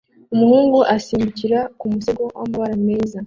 umuhungu asimbukira ku musego wamabara meza